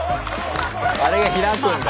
あれが開くんだ。